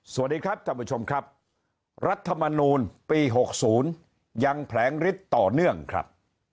สวัสดีครับท่านผู้ชมครับรัฐมนูลปี๖๐ยังแผลงฤทธิ์ต่อเนื่องครับ